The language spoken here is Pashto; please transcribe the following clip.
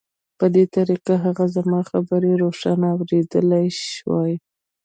په دې طریقه هغه زما خبرې روښانه اورېدلای شوې